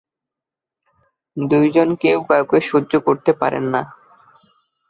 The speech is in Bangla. দুইজন কেউ কাউকে সহ্য করতে পারেন না।